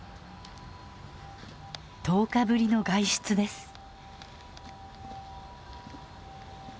１０日ぶりの外出です。